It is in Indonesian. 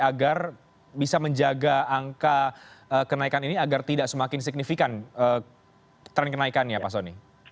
agar bisa menjaga angka kenaikan ini agar tidak semakin signifikan tren kenaikannya pak soni